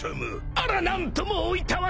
［あら何ともおいたわしや！］